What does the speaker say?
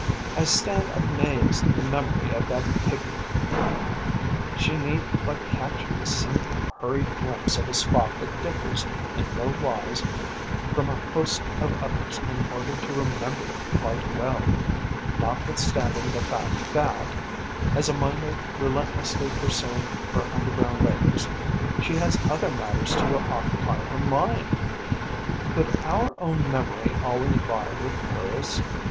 I stand amazed at the memory of that pigmy. She need but catch a single hurried glimpse of a spot that differs in no wise from a host of others in order to remember it quite well, notwithstanding the fact that, as a miner relentlessly pursuing her underground labours, she has other matters to occupy her mind. Could our own memory always vie with hers?